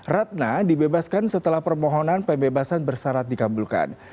ratna dibebaskan setelah permohonan pembebasan bersarat dikabulkan